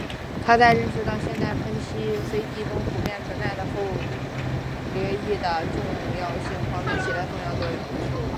他在认识到现代喷气飞机中普遍存在的后掠翼的重要性方面起到重要作用。